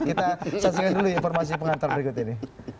kita saksikan dulu informasi pengantar berikut ini